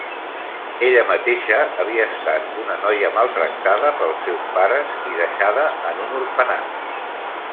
Ella mateixa havia estat una noia maltractada pels seus pares i deixada en un orfenat.